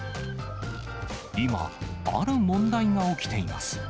今、ある問題が起きています。